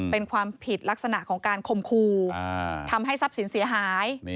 เป็นความผิดลักษณะของการคมครูทำให้ทรัพย์สินเสียหาย